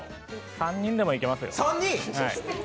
３人でもいけますよ。